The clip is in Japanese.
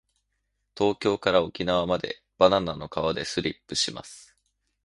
東京から沖縄までバナナの皮でスリップします。